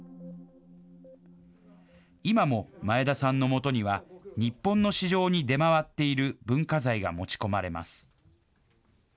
今も前田さんのもとには、日本の市場に出回っている文化財が持ち込まれます。